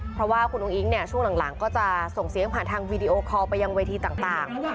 เพราะว่าคุณอุ้งอิ๊งเนี่ยช่วงหลังก็จะส่งเสียงผ่านทางวีดีโอคอลไปยังเวทีต่าง